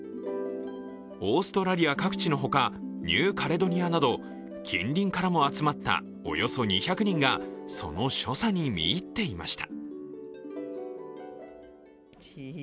オーストラリア各地のほかニューカレドニアなど近隣からも集まったおよそ２００人がその所作に見入っていました。